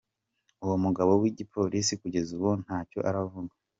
Uwo mugaba w'igipolisi kugeza ubu ntaco aravuga.